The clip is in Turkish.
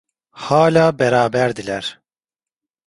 Hâlâ beraberdiler.